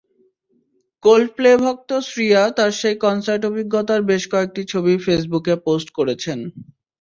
কোল্ডপ্লে-ভক্ত শ্রিয়া তাঁর সেই কনসার্ট অভিজ্ঞতার বেশ কয়েকটি ছবি ফেসবুকে পোস্ট করেছেন।